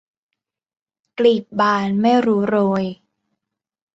กลีบบานไม่รู้โรย